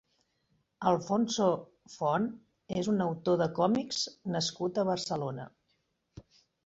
Alfonso Font és un autor de còmics nascut a Barcelona.